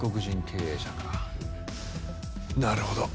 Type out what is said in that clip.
なるほど。